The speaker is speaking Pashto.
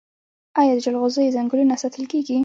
آیا د جلغوزیو ځنګلونه ساتل کیږي؟